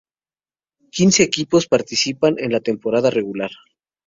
Quince equipos participan en la temporada regular.